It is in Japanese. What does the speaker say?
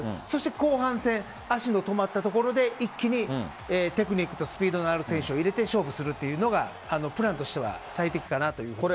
後半戦足の止まったところで一気にテクニックとスピードのある選手を入れて勝負するというのがプランとしては最適かなと。